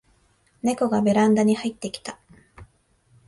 ネコがベランダに入ってきた